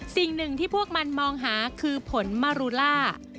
สิ่งหนึ่งที่พวกมันมองหาคือผลมารูล่า